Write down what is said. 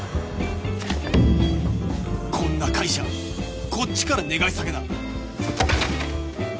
こんな会社こっちから願い下げだ！